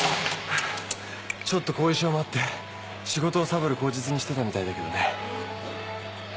ちょっと後遺症もあって仕事をサボる口実にしてたみたいだけどね。